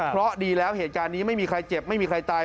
เพราะดีแล้วเหตุการณ์นี้ไม่มีใครเจ็บไม่มีใครตาย